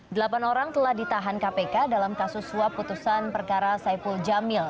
delapan orang telah ditahan kpk dalam kasus suap putusan perkara saiful jamil